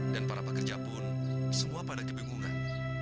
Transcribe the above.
dan para pekerja pun semua pada kebingungan